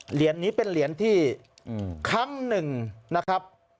เหรียญนี้เป็นเหรียญที่ครั้งหนึ่งนะครับ